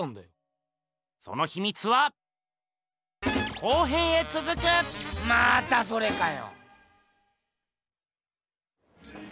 そのひみつはまたそれかよ。